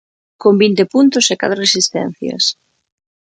Con vinte puntos e catro asistencias.